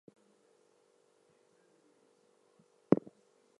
Ash from the hearths was found to be from oak and willow twigs.